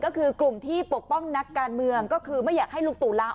ก็คือกลุ่มที่ปกป้องนักการเมืองก็คือไม่อยากให้ลุงตู่ละ